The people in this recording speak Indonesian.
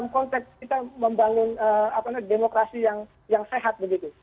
kita membangun demokrasi yang sehat